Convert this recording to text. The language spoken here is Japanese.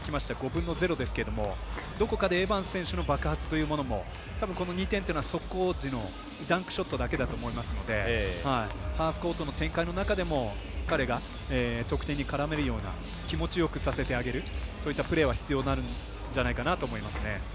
５分の０ですけれどもどこかでエバンス選手の爆発というのもたぶん、この２点というのは速攻時のダンクショットだけだと思いますのでハーフコートの展開の中でも彼が得点に絡めるような気持ちよくさせてあげるそういったプレーは必要になるんじゃないかなと思いますね。